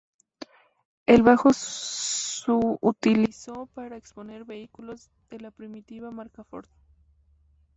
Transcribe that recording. El bajo su utilizó para exponer vehículos de la primitiva marca Ford.